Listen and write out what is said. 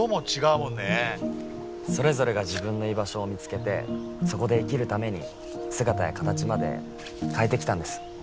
それぞれが自分の居場所を見つけてそこで生きるために姿や形まで変えてきたんです。